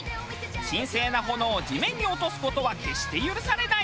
神聖な炎を地面に落とす事は決して許されない。